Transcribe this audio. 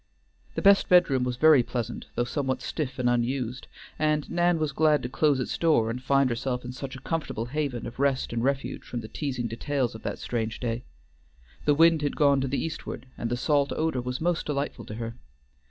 The best bedroom was very pleasant, though somewhat stiff and unused, and Nan was glad to close its door and find herself in such a comfortable haven of rest and refuge from the teasing details of that strange day. The wind had gone to the eastward, and the salt odor was most delightful to her.